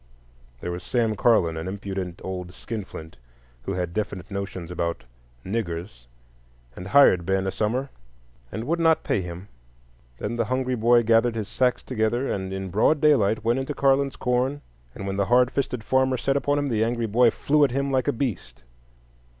There was Sam Carlon, an impudent old skinflint, who had definite notions about "niggers," and hired Ben a summer and would not pay him. Then the hungry boy gathered his sacks together, and in broad daylight went into Carlon's corn; and when the hard fisted farmer set upon him, the angry boy flew at him like a beast.